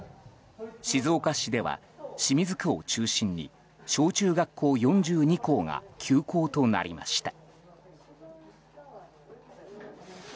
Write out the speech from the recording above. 静岡市では清水区を中心に小中学校４２校が休校となりました。